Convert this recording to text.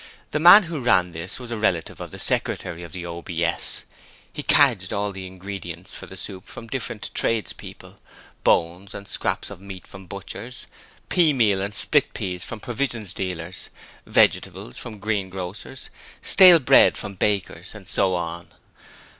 The man who ran this was a relative of the secretary of the OBS. He cadged all the ingredients for the soup from different tradespeople: bones and scraps of meat from butchers: pea meal and split peas from provision dealers: vegetables from greengrocers: stale bread from bakers, and so on.